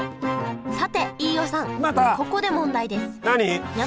さて飯尾さんここで問題ですまた！